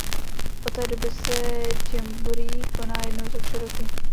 Od té doby se jamboree koná jednou za tři roky.